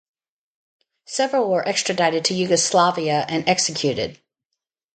Several were extradited to Yugoslavia and executed.